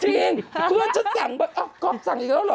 จริงเพื่อนฉันสั่งไปเอ้าก๊อฟสั่งอีกแล้วเหรอ